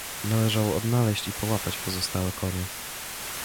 Należało odnaleźć i połapać pozostałe konie.